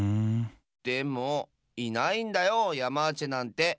でもいないんだよヤマーチェなんて！